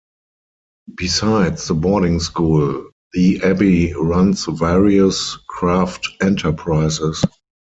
Besides the boarding school, the abbey runs various craft enterprises.